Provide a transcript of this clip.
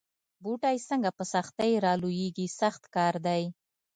بوټی څنګه په سختۍ را لویېږي سخت کار دی.